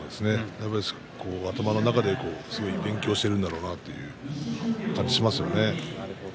やっぱり頭の中ですごい勉強してるんだろうなという感じがしますよね。